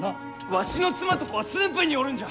わしの妻と子は駿府におるんじゃ！